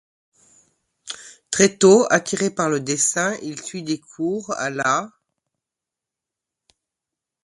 Très tôt attiré par le dessin, il suit des cours à la '.